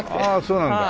そうなんだ。